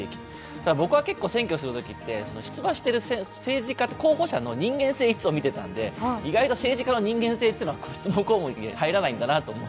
ただ僕は選挙するときって出馬している政治家、候補者の人間性をいつも見ていたので意外と政治家の人間性というのは質問項目に入らないんだなと。